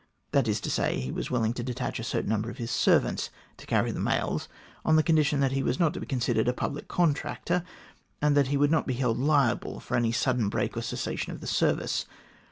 That is to say, he was willing to detach a K 146 THE GLADSTONE COLONY certain number of his servants to carry the mails, on con dition that he was not to be considered a public contractor, and that he would not be held liable for any sudden break or cessation of the service.